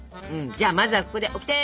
じゃあまずはここでオキテ！